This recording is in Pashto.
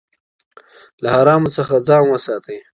له حرامو څخه ځان وساتئ.